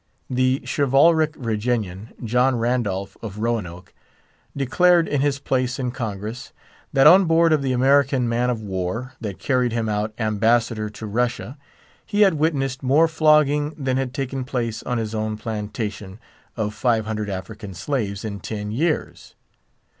The chivalric Virginian, John Randolph of Roanoke, declared, in his place in Congress, that on board of the American man of war that carried him out Ambassador to Russia he had witnessed more flogging than had taken place on his own plantation of five hundred African slaves in ten years.